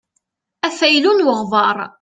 Afaylu n weɣbaṛ.